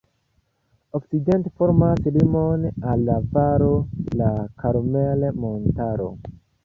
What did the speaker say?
Okcidente formas limon al la valo la Karmel-montaro.